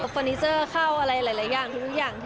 เฟอร์นิเจอร์เข้าอะไรหลายอย่างทุกอย่าง